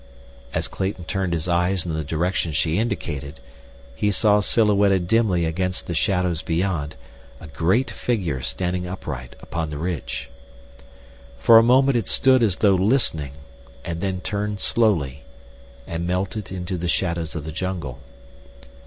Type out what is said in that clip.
As Clayton turned his eyes in the direction she indicated, he saw silhouetted dimly against the shadows beyond, a great figure standing upright upon the ridge. For a moment it stood as though listening and then turned slowly, and melted into the shadows of the jungle.